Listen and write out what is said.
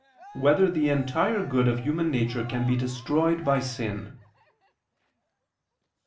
2] Whether the Entire Good of Human Nature Can Be Destroyed by Sin?